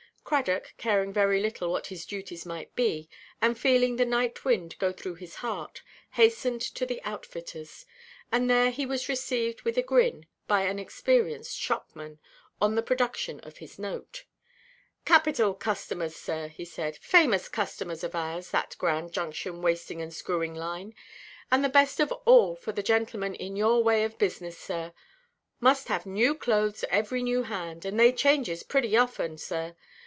Cradock, caring very little what his duties might be, and feeling the night–wind go through his heart, hastened to the outfittersʼ, and there he was received with a grin by an experienced shopman, on the production of his note. "Capital customers, sir," he said; "famous customers of ours, that Grand Junction Wasting and Screwing Line, and the best of all for the gentlemen in your way of business, sir. Must have new clothes every new hand, and they changes pretty often, sir.